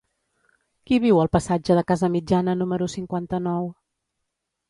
Qui viu al passatge de Casamitjana número cinquanta-nou?